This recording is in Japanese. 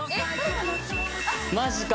マジか。